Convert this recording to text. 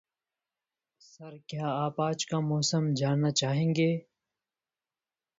How I was courted!